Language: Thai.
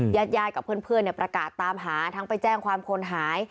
ญาติญาติกับเพื่อนประกาศตามหาทั้งไปแจ้งความคนหาย